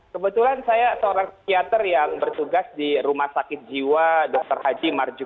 kebetulan saya seorang psikiater yang bertugas di rumah sakit jiwa dr haji marjo